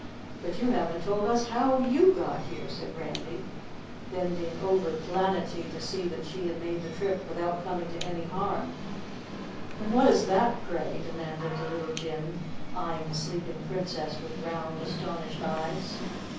"But you haven't told us how YOU got here," said Randy, bending over Planetty to see that she had made the trip without coming to any harm. "And what is that, pray?" demanded the little Jinn, eyeing the sleeping Princess with round astonished eyes.